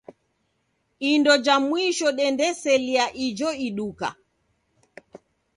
Indo ja mwisho dendaselia ijo iduka.